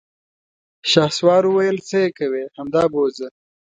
شهسوار وويل: څه يې کوې، همدا بوځه!